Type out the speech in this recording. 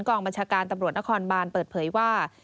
กองบัญชาการตำรวจนครบานเปิดเผยว่า